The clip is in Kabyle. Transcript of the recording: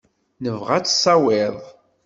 Nebɣa ad tt-tawiḍ.